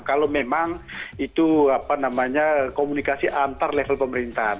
kalau memang itu komunikasi antar level pemerintahan